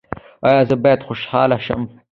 ایا زه باید خوشحاله شم؟